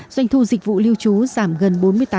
doanh thu dịch vụ lưu trú giảm gần bốn mươi tám